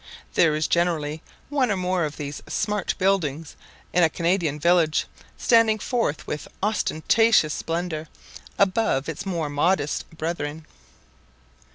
There is generally one or more of these smart buildings in a Canadian village, standing forth with ostentatious splendour above its more modest brethren.